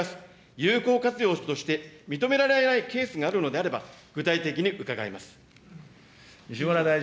有効活用として認められないケースがあるのであれば、具体的に伺います。